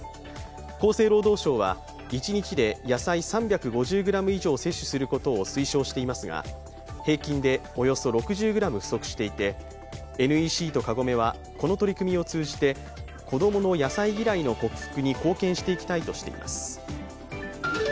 厚生労働省は一日で野菜３５０ｇ以上を摂取することを推奨していますが平均でおよそ６０ｇ不足していてＮＥＣとカゴメはこの取り組みを通じて子供の野菜嫌いの克服に貢献していきたいとしています。